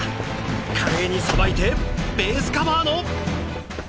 華麗にさばいてベースカバーの。